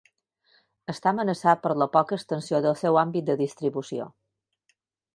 Està amenaçat per la poca extensió del seu àmbit de distribució.